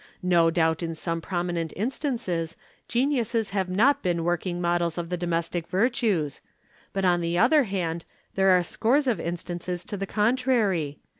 No doubt in some prominent instances geniuses have not been working models of the domestic virtues, but on the other hand there are scores of instances to the contrary.